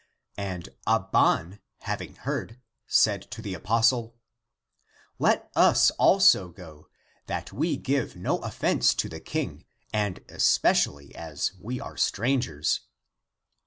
And Ab ban, having heard, said to the apostle, " Let us also go, that we give no offense to the King, and es pecially as we are strangers."